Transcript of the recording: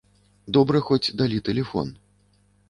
Добра хоць далі тэлефон.